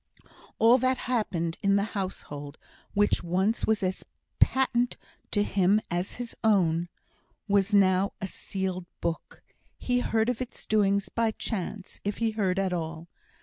All that happened in the household, which once was as patent to him as his own, was now a sealed book; he heard of its doings by chance, if he heard at all.